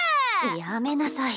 やめなさい。